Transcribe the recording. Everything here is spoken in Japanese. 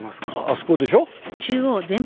あそこでしょ。